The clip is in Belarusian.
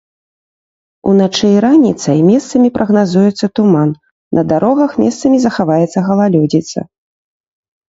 Уначы і раніцай месцамі прагназуецца туман, на дарогах месцамі захаваецца галалёдзіца.